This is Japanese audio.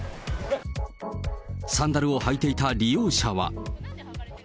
サンダルを履いていた利用者は。